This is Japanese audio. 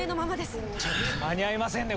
ちょっと間に合いませんね